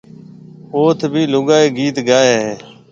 اوٿ ڀِي لوگائيَ گيت گائيَ ھيََََ